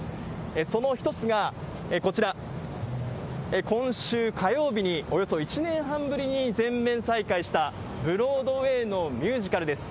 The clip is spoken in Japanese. その一つが、こちら、今週火曜日におよそ１年半ぶりに全面再開したブロードウェイのミュージカルです。